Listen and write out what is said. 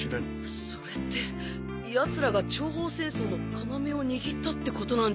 それって奴らが諜報戦争の要を握ったってことなんじゃ。